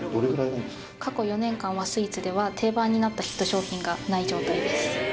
過去４年間和スイーツでは定番になったヒット商品がない状態です